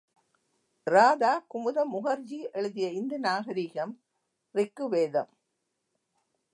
இராதா குமுத முகர்ஜி எழுதிய இந்து நாகரிகம், ரிக்கு வேதம்.